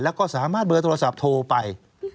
แล้วก็สามารถเบอร์โทรศัพท์โทรไป